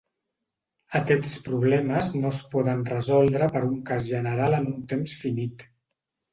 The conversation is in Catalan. Aquests problemes no es poden resoldre per un cas general en un temps finit.